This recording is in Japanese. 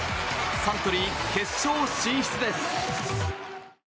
サントリー決勝進出です。